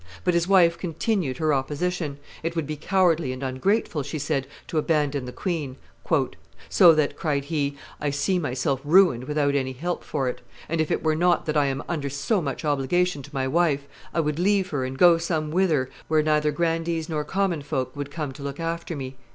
But his wife continued her opposition; it would be cowardly and ungrateful, she said, to abandon the queen: "So that," cried he, "I see myself ruined without any help for it; and, if it were not that I am under so much obligation to my wife, I would leave her and go some whither where neither grandees nor common folk would come to look after me."